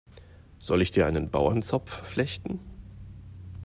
Soll ich dir einen Bauernzopf flechten?